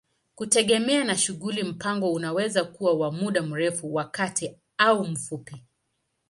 Kutegemea na shughuli, mpango unaweza kuwa wa muda mrefu, wa kati au mfupi.